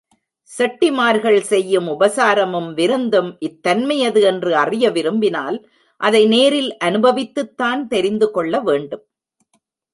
செட்டிமார்கள் செய்யும் உபசாரமும் விருந்தும் இத்தன்மையது என்று அறிய விரும்பினால், அதை நேரில் அனுபவித்துத்தான் தெரிந்து கொள்ள வேண்டும்.